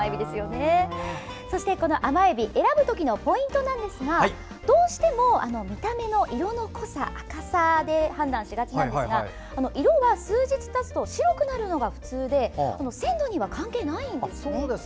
そして、甘えびを選ぶ時のポイントなんですがどうしても見た目の色の濃さ赤さで判断しがちですが色は数日たつと白くなるのが普通で鮮度に関係ないんです。